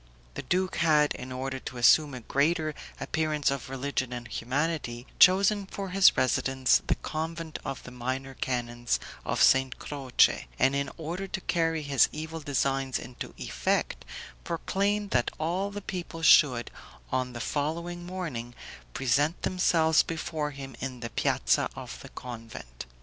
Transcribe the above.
The duke had, in order to assume a greater appearance of religion and humanity, chosen for his residence the convent of the Minor Canons of St. Croce, and in order to carry his evil designs into effect, proclaimed that all the people should, on the following morning, present themselves before him in the piazza of the convent.